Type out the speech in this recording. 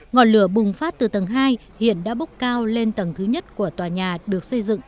ngọn lửa bùng phát từ tầng hai hiện đã bốc cao lên tầng thứ nhất của tòa nhà được xây dựng